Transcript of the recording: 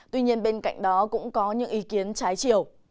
tuy nhiên bên cạnh đó cũng có những ý kiến trái chiều